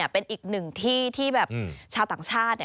เป็นอีกหนึ่งที่ชาวต่างชาติ